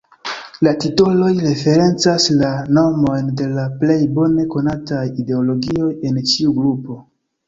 La titoloj referencas la nomojn de la plej bone konataj ideologioj en ĉiu grupo.